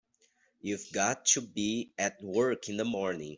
You've got to be at work in the morning.